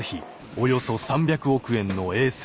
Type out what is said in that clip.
およそ３００億円の衛星